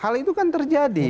hal itu kan terjadi